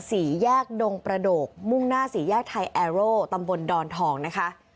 สี่แยกดงประโดกมุ่งหน้าสี่แยกไทยแอโรตำบลดอนทองนะคะ